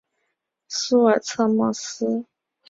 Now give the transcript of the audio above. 苏尔策莫斯是德国巴伐利亚州的一个市镇。